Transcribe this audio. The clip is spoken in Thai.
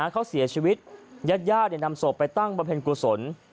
เขาเสียชีวิตยาดนำศพไปตั้งประเพ็ญกุศล